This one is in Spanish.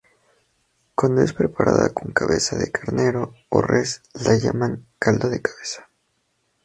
Cuando es preparada con cabeza de carnero o res, la llaman "caldo de cabeza".